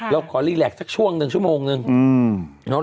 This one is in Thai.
เราขอรีแลกสักช่วงหนึ่งชั่วโมงนึง